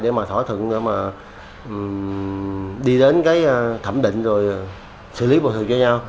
để mà thỏa thuận để mà đi đến thẩm định rồi xử lý bộ xây dựng